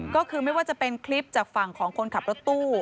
ก็คือไม่ว่าจะเป็นคลิปจากฝั่งของคนขับรถตู้